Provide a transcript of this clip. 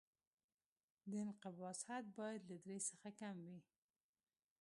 د انقباض حد باید له درې څخه کم وي